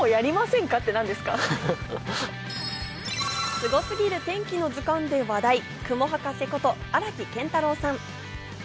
『すごすぎる天気の図鑑』で話題、雲博士こと荒木健太郎さん。